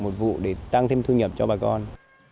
một vụ để tăng thêm thu nhập cho bà con